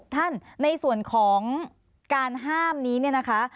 ท่านในส่วนของการห้ามนี้เนี่ยนะคะ